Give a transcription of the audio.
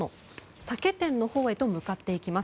酒店のほうへと向かっていきます。